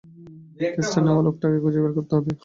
কেসটা নেওয়া লোকটাকে খুঁজে বের করতে হবে।